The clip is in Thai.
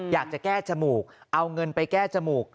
อยากจะแก้จมูกเอาเงินไปแก้จมูก